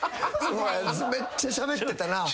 めっちゃしゃべってたな。